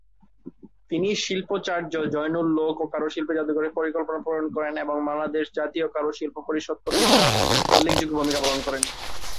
তিনি শিল্পাচার্য জয়নুল লোক ও কারুশিল্প জাদুঘরের পরিকল্পনা প্রণয়ন করেন এবং বাংলাদেশ জাতীয় কারুশিল্প পরিষদ প্রতিষ্ঠায় উল্লেখযোগ্য ভূমিকা পালন করেন।